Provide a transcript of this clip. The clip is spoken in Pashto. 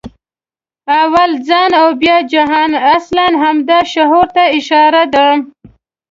«اول ځان او بیا جهان» اصلاً همدې شعور ته اشاره ده.